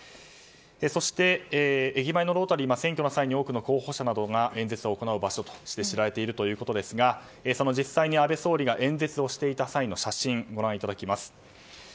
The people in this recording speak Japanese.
そして、駅前のロータリーは選挙の際に多くの候補者などが演説を行う場所として知られているということですが実際に安倍総理が演説をしていた際の写真をご覧いただきます。